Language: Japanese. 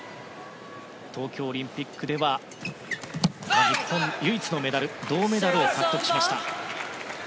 東京オリンピックでは日本唯一のメダル銅メダルを獲得しました。